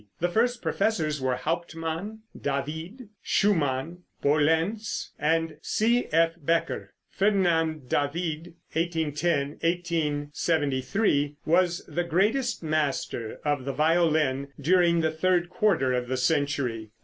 The first professors were Hauptmann, David, Schumann, Pohlenz and C.F. Becker. Ferdinand David (1810 1873) was the greatest master of the violin during the third quarter of the century.